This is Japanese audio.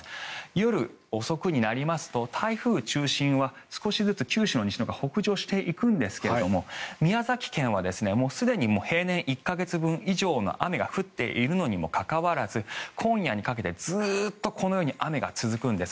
夜遅くになりますと台風中心は少しずつ九州の西を北上していくんですが宮崎県はすでに平年１か月分以上の雨が降っているにもかかわらず今夜にかけてずっとこのように雨が続くんです。